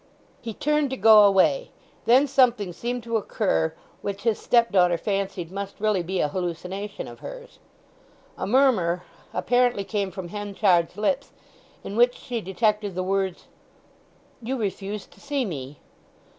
He turned to go away. Then something seemed to occur which his stepdaughter fancied must really be a hallucination of hers. A murmur apparently came from Henchard's lips in which she detected the words, "You refused to see me!"